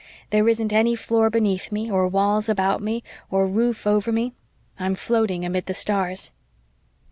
There isn't any floor beneath me, or walls about me, or roof over me I'm floating amid the stars."